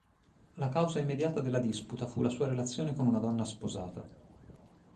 La causa immediata della disputa fu la sua relazione con una donna sposata".